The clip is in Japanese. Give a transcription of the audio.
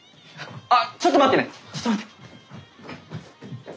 あっちょっと待ってねちょっと待って。